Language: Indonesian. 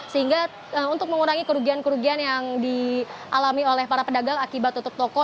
sehingga untuk mengurangi kerugian kerugian yang dialami oleh para pedagang akibat tutup toko